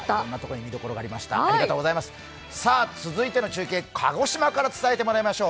続いての中継、鹿児島から伝えてもらいましょう。